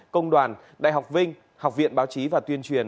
công đoàn đại học vinh học viện báo chí và tuyên truyền